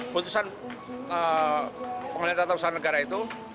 putusan pengadilan tata usaha negara itu